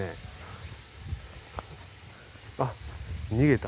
あっ逃げた。